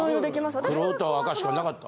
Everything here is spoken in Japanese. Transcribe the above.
黒と赤しかなかった。